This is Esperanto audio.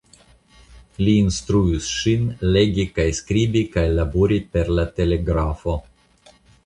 Li instruis ŝin legi kaj skribi kaj labori per la telegrafo.